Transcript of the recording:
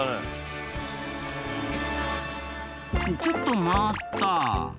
ちょっと待った。